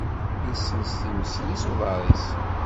Yessens times-nni s uḍar-is.